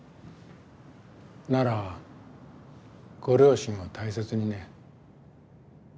ならご両親を大切にね。